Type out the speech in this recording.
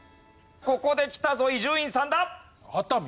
ここできたぞ伊集院さんだ！